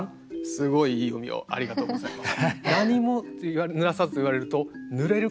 すごいいい読みをありがとうございます。